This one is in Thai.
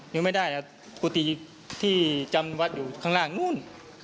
ยังไม่ได้นะกุฏิที่จำวัดอยู่ข้างล่างนู้น